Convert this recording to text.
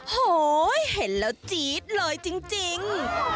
โหเห็นแล้วจี๊ดเลยจริง